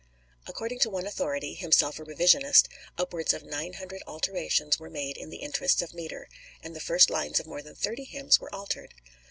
According to one authority, himself a revisionist, upwards of nine hundred alterations were made in the interests of metre, and the first lines of more than thirty hymns were altered.